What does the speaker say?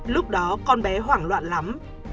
lúc đó con bé hoảng loạn lắm